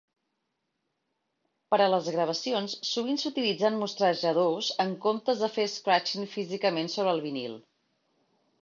Per a les gravacions, sovint s'utilitzen mostrajadors en comptes de fer "scratching" físicament sobre el vinil.